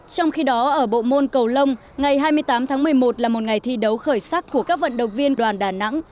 trong khi đó ở bộ môn cầu lông ngày hai mươi tám tháng một mươi một là một ngày thi đấu khởi sắc của các vận động viên đoàn đà nẵng